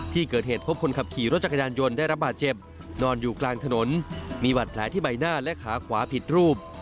ที่เกิดเหตุพบคนขับขี่รถจักรยานยนต์ได้รับบาดเจ็บนอนอยู่กลางถนนมีบาดแผลที่ใบหน้าและขาขวาผิดรูป